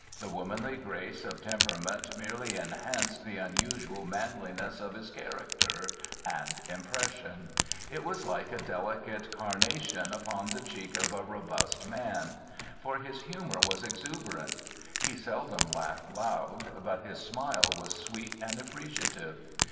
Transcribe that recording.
The womanly grace of temperament merely enhanced the unusual manliness of his character and impression. It was like a delicate carnation upon the cheek of a robust man. For his humor was exuberant. He seldom laughed loud, but his smile was sweet and appreciative.